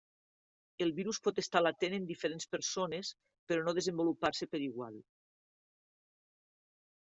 El virus pot estar latent en diferents persones però no desenvolupar-se per igual.